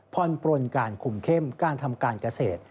ปลนการคุมเข้มการทำการเกษตร